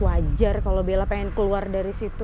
wajar kalau bella pengen keluar dari situ